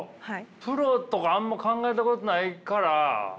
プロとかあんま考えたことないから。